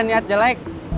saya gak ada niat jelek